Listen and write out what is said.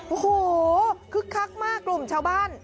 โอ้โหคึกคักมากกลุ่มชาวบ้าน